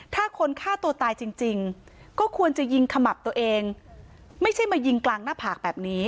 ถ้าคนฆ่าตัวตายจริงจริงก็ควรจะยิงขมับตัวเองไม่ใช่มายิงกลางหน้าผากแบบนี้